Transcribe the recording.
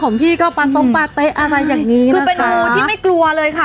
พี่ก็ปาตรงปาเต๊ะอะไรอย่างนี้คือเป็นงูที่ไม่กลัวเลยค่ะ